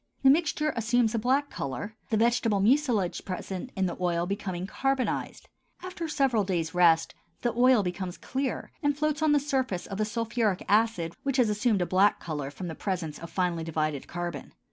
The mixture assumes a black color, the vegetable mucilage present in the oil becoming carbonized. After several days' rest the oil becomes clear and floats on the surface of the sulphuric acid which has assumed a black color from the presence of finely divided carbon.